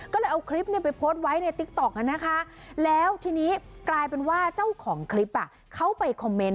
ก็เลยเอาคลิปไปโพสต์ไว้ในติ๊กต๊อกนะคะแล้วทีนี้กลายเป็นว่าเจ้าของคลิปเขาไปคอมเมนต